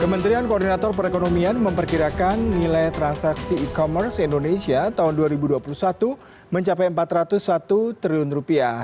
kementerian koordinator perekonomian memperkirakan nilai transaksi e commerce indonesia tahun dua ribu dua puluh satu mencapai empat ratus satu triliun rupiah